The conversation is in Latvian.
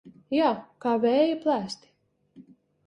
Jā, kā vēja plēsti.